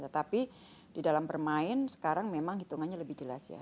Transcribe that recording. tetapi di dalam bermain sekarang memang hitungannya lebih jelas ya